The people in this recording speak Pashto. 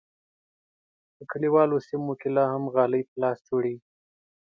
په کلیوالو سیمو کې لا هم غالۍ په لاس جوړیږي.